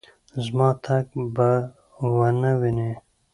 زما تګ به ونه وینې